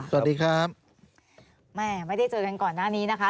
สวัสดีครับแม่ไม่ได้เจอกันก่อนหน้านี้นะคะ